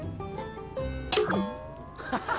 ハハハ！